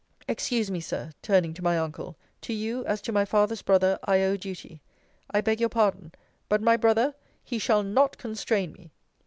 Excuse me, Sir, turning to my uncle to you, as to my father's brother, I owe duty. I beg your pardon, but my brother; he shall not constrain me.